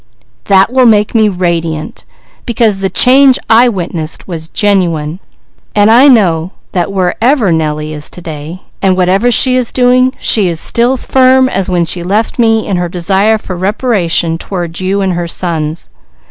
"That will make me radiant, because the change I witnessed was genuine. I know that wherever Nellie is to day and whatever she is doing, she is still firm as when she left me in her desire for reparation toward you and her sons.